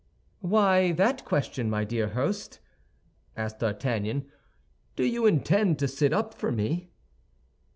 "Why that question, my dear host?" asked D'Artagnan. "Do you intend to sit up for me?"